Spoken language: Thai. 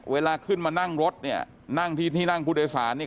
เวลาขึ้นมานั่งรถเนี่ยนั่งที่ที่นั่งผู้โดยสารเนี่ย